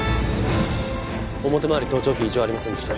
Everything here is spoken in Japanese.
表まわり盗聴器異常ありませんでした。